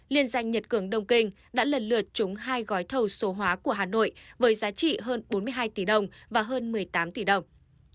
liên danh nhật cường đông kinh đã lần lượt trúng hai gói thầu số hóa của hà nội với giá trị hơn bốn mươi hai tỷ đồng và hơn một mươi tám tỷ đồng